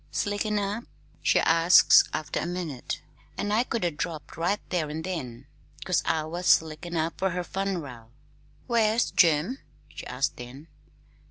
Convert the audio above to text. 'Slickin' up?' she asks after a minute; an' I could 'a' dropped right there an' then, 'cause I was slickin' up, fer her fun'ral. 'Where's Jim?' she asks then.